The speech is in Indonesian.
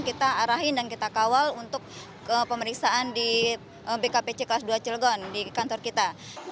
kita arahin dan kita kawal untuk pemeriksaan di bkpc kelas dua cilegon di kantor kita